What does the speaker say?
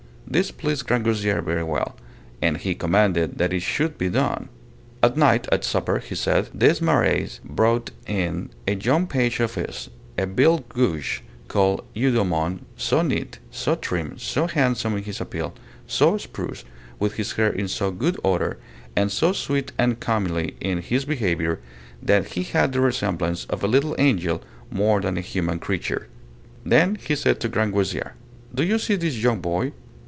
This pleased Grangousier very well, and he commanded that it should be done. At night at supper, the said Des Marays brought in a young page of his, of Ville gouges, called Eudemon, so neat, so trim, so handsome in his apparel, so spruce, with his hair in so good order, and so sweet and comely in his behaviour, that he had the resemblance of a little angel more than of a human creature. Then he said to Grangousier, Do you see this young boy?